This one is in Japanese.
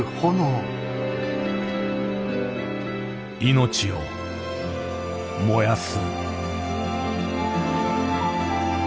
命を燃やす。